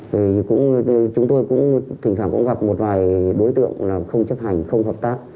thì chúng tôi cũng thỉnh thoảng cũng gặp một vài đối tượng là không chấp hành không hợp tác